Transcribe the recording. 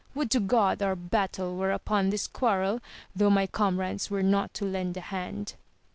Would to God our battle were upon this quarrel, though my comrades were not to lend hand